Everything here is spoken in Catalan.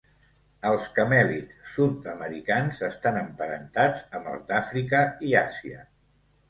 Els camèlids sud-americans estan emparentats amb els d'Àfrica i Àsia.